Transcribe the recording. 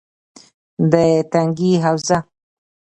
- د تنگي حوزه: